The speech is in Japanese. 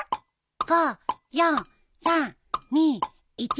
５４３２１。